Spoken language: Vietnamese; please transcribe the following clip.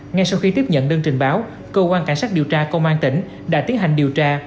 ngay sau khi tiếp nhận đơn trình báo cơ quan cảnh sát điều tra công an tỉnh đã tiến hành điều tra